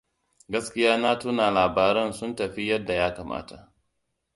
Gaskiya na tuna labaran sun tafi yadda ya kamata.